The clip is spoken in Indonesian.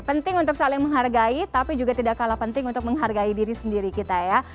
penting untuk saling menghargai tapi juga tidak kalah penting untuk menghargai diri sendiri kita ya